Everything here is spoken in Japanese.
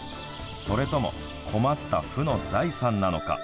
それとも困った負の財産なのか。